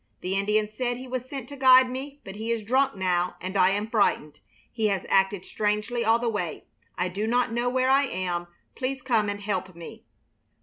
The Indian said he was sent to guide me, but he is drunk now and I am frightened. He has acted strangely all the way. I do not know where I am. Please come and help me."